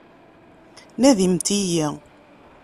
Nadimt-iyi.